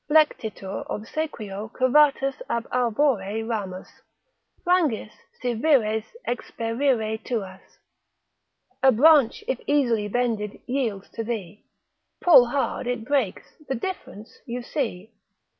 Flectitur obsequio curvatus ab arbore ramus, Frangis si vires experire tuas. A branch if easily bended yields to thee, Pull hard it breaks: the difference you see.